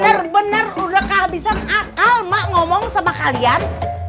bener bener udah kehabisan akal mak ngomong sama kalian